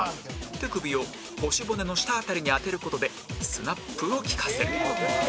手首を腰骨の下辺りに当てる事でスナップを利かせる